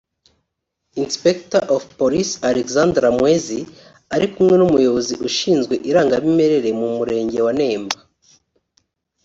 Inspector of Police Alexandre Mwezi ari kumwe n’Umuyobozi ushinzwe irangamimerere mu murenge wa Nemba